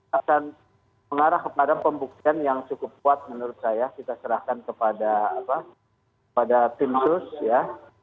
akan mengarah kepada pembuktian yang cukup kuat menurut saya kita serahkan kepada tim sus ya